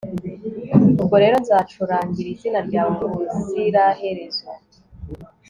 ubwo rero nzacurangira izina ryawe ubuziraherezo